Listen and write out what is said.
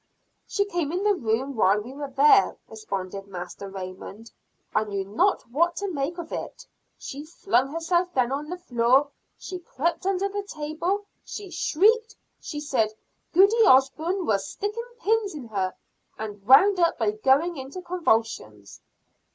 "She came in the room while we were there," responded Master Raymond. "I knew not what to make of it. She flung herself down on the floor, she crept under the table, she shrieked, she said Goody Osburn was sticking pins in her, and wound up by going into convulsions."